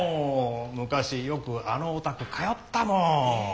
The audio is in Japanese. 昔よくあのお宅通ったもん。